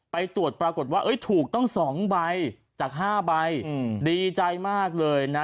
ไปตรวจปรากฏว่าเอ้ยถูกต้องสองใบจากห้าใบอืมดีใจมากเลยนะ